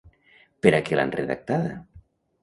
Per a què l'han redactada?